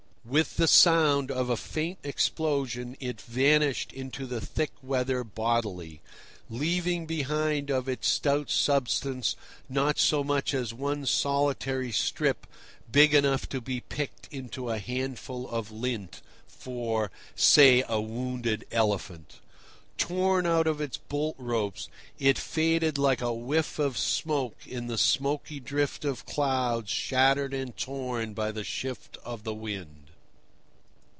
With the sound of a faint explosion it vanished into the thick weather bodily, leaving behind of its stout substance not so much as one solitary strip big enough to be picked into a handful of lint for, say, a wounded elephant. Torn out of its bolt ropes, it faded like a whiff of smoke in the smoky drift of clouds shattered and torn by the shift of wind.